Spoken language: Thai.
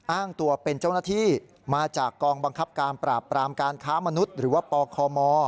อ้างตัวเป็นเจ้าหน้าที่มาจากกองบังคับการปราบปรามการค้ามนุษย์หรือว่าปคม